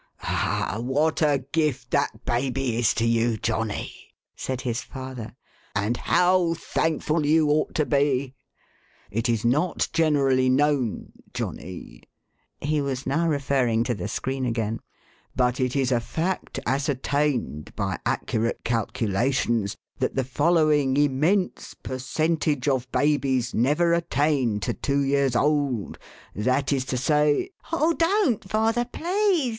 " Ah, what a gift that baby is to you, Johnny !" said his father, " and how thankful you ought to be !' It is not generally known,1 Johnny," he was now referring to the screen again, "' but it is a fact ascertained, by accurate calculations, that the following immense per centage of babies never attain to two years old ; that is to say —'"" Oh, don't, father, please